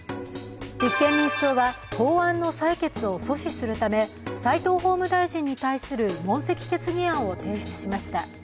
立憲民主党は法案の採決を阻止するため斎藤法務大臣に対する問責決議案を提出しました。